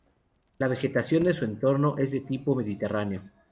La vegetación de su entorno es de tipo mediterráneo.